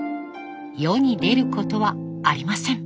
世に出ることはありません。